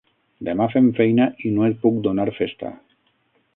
Demà fem feina i no et puc donar festa.